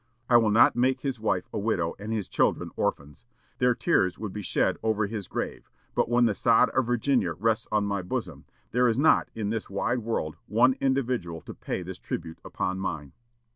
I will not make his wife a widow and his children orphans. Their tears would be shed over his grave; but when the sod of Virginia rests on my bosom, there is not in this wide world one individual to pay this tribute upon mine."